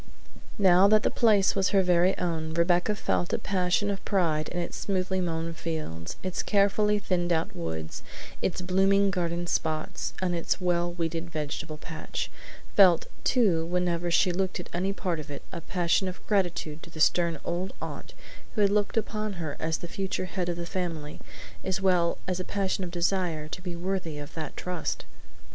Now that the place was her very own Rebecca felt a passion of pride in its smoothly mown fields, its carefully thinned out woods, its blooming garden spots, and its well weeded vegetable patch; felt, too whenever she looked at any part of it, a passion of gratitude to the stern old aunt who had looked upon her as the future head of the family, as well as a passion of desire to be worthy of that trust.